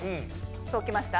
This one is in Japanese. そうきました？